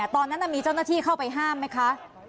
ตอนนั้นมีเจ้าหน้าที่เข้าไปห้ามไหมคะ